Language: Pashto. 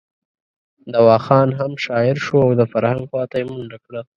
دوا خان هم شاعر شو او د فرهنګ خواته یې منډه کړه.